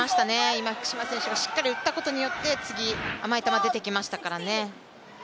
今、福島選手がしっかり打ったことによって、次、甘い球出てきましたからね。